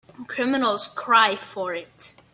Criminals cry for it.